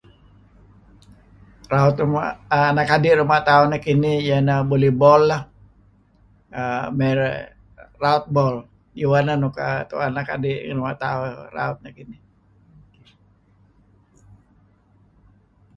Raut err anak adi' ruma' tauh nekinih iyeh neh volleyball lah err mey raut bol. Diweh neh nuk err tu'en anak adi' ruma' tauh raut.